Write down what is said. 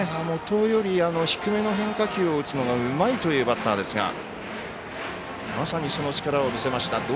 もとより低めの変化球を打つのがうまいというバッターですがまさにその力を見せました。